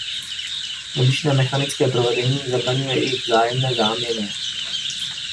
Odlišné mechanické provedení zabraňuje jejich vzájemné záměně.